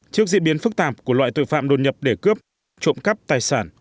trước diễn biến phức tạp của loại tội phạm đột nhập để cướp trộm cắp tài sản